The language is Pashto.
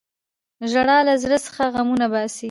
• ژړا له زړه څخه غمونه باسي.